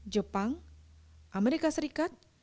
jepang amerika serikat